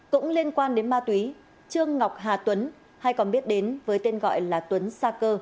cũng liên quan đến ma túy trương ngọc hà tuấn hay còn biết đến với tên gọi là tuấn sa cơ